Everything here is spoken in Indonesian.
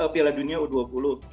piala dunia u dua puluh